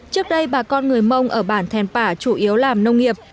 trước đây bà con người mông ở bản thèn pả chủ yếu làm nông nghiệp